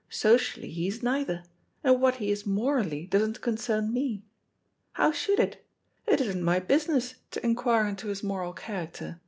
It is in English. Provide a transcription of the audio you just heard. Socially he is neither, and what he is morally doesn't concern me. How should it? It isn't my business to inquire into his moral character.